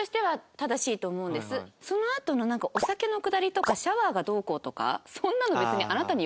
そのあとのお酒のくだりとかシャワーがどうこうとかそんなの別に。